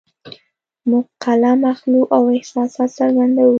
موږ قلم اخلو او احساسات څرګندوو